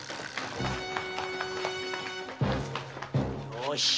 よし！